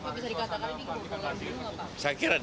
bisa dikatakan ini berkeliaran